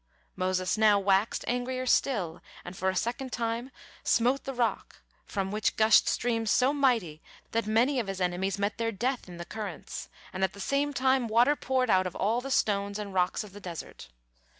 Moses now waxed angrier still, and for a second time smote the rock, from which gushed streams so mighty that many of his enemies me their death in the currents, and at the same time water poured out of all the stones and rocks of the desert.